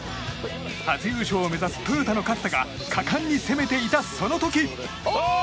初優勝を目指すトヨタの勝田が果敢に攻めていた、その時。